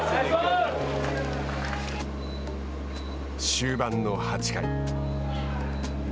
終盤の８回。